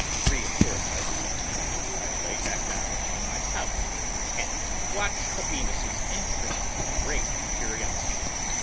Reassured by this information, I lay back upon my couch and watched Habinnas' entrance with great curiosity.